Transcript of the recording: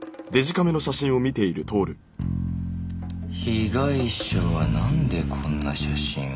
被害者はなんでこんな写真を？